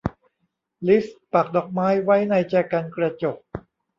ลิซปักดอกไม้ไว้ในแจกันกระจก